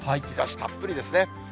日ざしたっぷりですね。